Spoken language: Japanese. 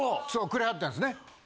くれはったんですね。